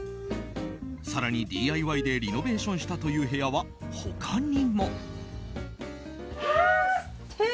更にＤＩＹでリノベーションしたという部屋は他にも。